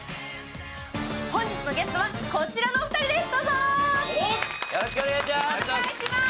本日のゲストは、こちらのお二人です。